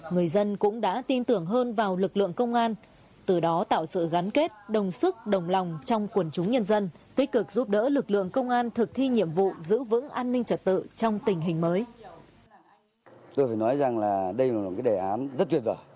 người dân cũng đã tin tưởng hơn vào lực lượng công an từ đó tạo sự gắn kết đồng sức đồng lòng trong quần chúng nhân dân tích cực giúp đỡ lực lượng công an thực thi nhiệm vụ giữ vững an ninh trật tự trong tình hình mới